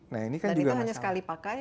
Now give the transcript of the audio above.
nah ini kan juga masalah